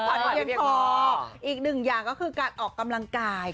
กราบภรรยาที่เองก็คือออกกำลังกาย